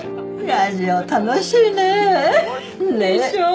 ラジオ楽しいねでしょう？